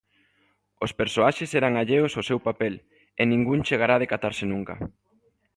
Os persoaxes eran alleos ó seu papel e ningún chegará a decatarse nunca.